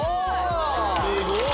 すごい！